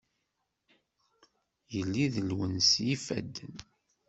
Yelli d lwens n yifadden.